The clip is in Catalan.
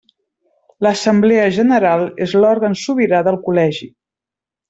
L'Assemblea General és l'òrgan sobirà del Col·legi.